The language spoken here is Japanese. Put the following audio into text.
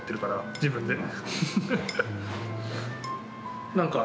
自分でも。